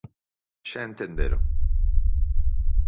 Xa entenderon.